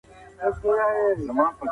ښځه د کور روغتيا ده